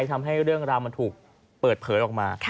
ทำให้เรื่องราวมันถูกเปิดเผยออกมา